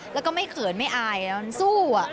แล้วก็ไม่เขินไม่อายมันสู้